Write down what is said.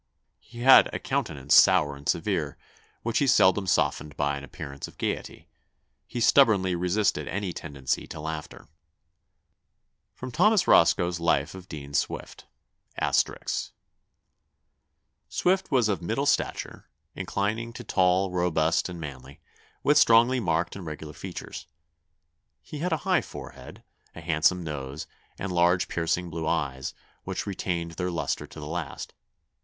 He had a countenance sour and severe, which he seldom softened by an appearance of gaiety. He stubbornly resisted any tendency to laughter." [Sidenote: Thomas Roscoe's Life of Dean Swift. *] "Swift was of middle stature, inclining to tall, robust, and manly, with strongly marked and regular features. He had a high forehead, a handsome nose, and large piercing blue eyes, which retained their lustre to the last.